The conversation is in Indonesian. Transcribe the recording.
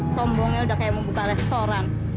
sombongnya udah kayak mau buka restoran